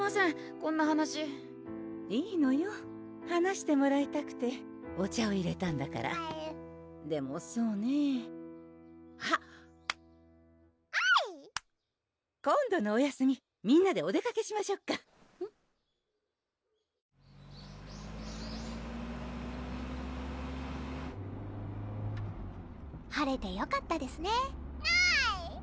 こんな話いいのよ話してもらいたくてお茶をいれたんだからえるでもそうねぇあっあい今度のお休みみんなでお出かけしましょっか晴れてよかったですねねぇ